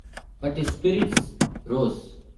But his spirits rose.